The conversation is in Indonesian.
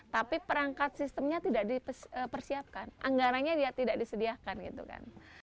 tapi perangkat sistemnya tidak dipersiapkan anggaranya tidak disediakan gitu kan